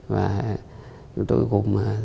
và chúng tôi gồm